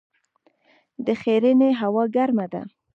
د ښرنې هوا ګرمه ده